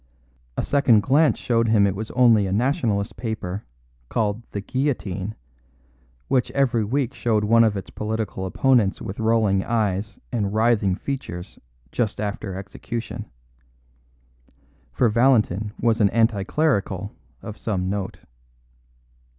A second glance showed him it was only a Nationalist paper, called The Guillotine, which every week showed one of its political opponents with rolling eyes and writhing features just after execution; for Valentin was an anti clerical of some note.